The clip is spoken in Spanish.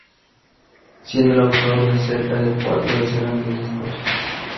Siendo el autor de cerca de cuatro decenas de discos.